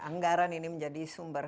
anggaran ini menjadi sumber